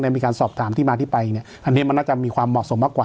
มีการสอบถามที่มาที่ไปเนี่ยอันนี้มันน่าจะมีความเหมาะสมมากกว่า